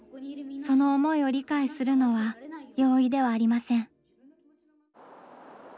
その思いを理解するのは容易ではありません。